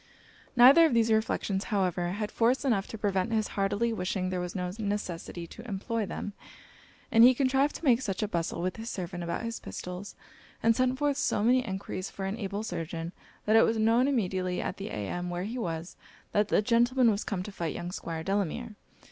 Neither of these reflections however had force enough to prevent his heartily wishing there was no necessity to employ them; and he contrived to make such a bustle with his servant about his pistols, and sent forth so many enquiries for an able surgeon, that it was known immediately at the inn where he was, that the gentleman was come to fight young Squire Delamere.